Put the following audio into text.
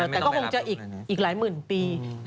แต่ก็คงจะอีกหลายหมื่นปี